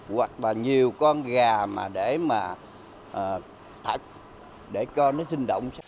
hoặc là nhiều con gà mà để mà thật để cho nó sinh động